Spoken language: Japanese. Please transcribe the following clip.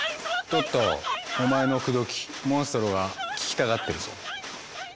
トットお前の「くどき」モンストロが聴きたがってるぞ。